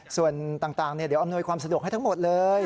ส่วนต่างเดี๋ยวอำนวยความสะดวกให้ทั้งหมดเลย